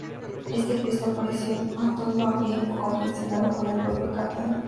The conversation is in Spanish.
Este Cristo, que apareció en Antón, lo habría confeccionado el propio Cataño.